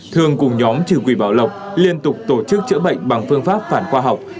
thương cùng nhóm trừ quỷ bảo lộc liên tục tổ chức chữa bệnh bằng phương pháp phản khoa học